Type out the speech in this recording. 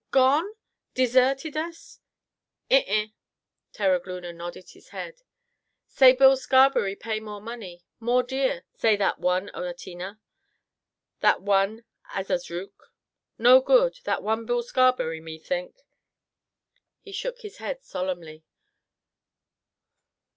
"Gone? Deserted us?" "Eh eh," Terogloona nodded his head. "Say Bill Scarberry pay more money; more deer; say that one Oatinna, that one Azazruk. No good, that one Bill Scarberry, me think." He shook his head solemnly.